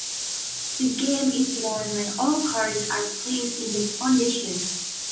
The game is won when all cards are placed in the foundations.